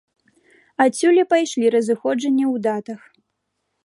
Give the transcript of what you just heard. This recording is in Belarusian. Адсюль і пайшлі разыходжанні ў датах.